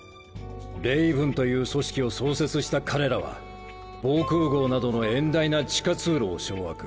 レイブンという組織を創設した彼らは防空壕などの遠大な地下通路を掌握。